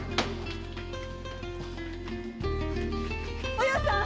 お葉さん！